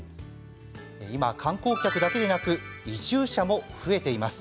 今、観光客だけでなく移住者も増えています。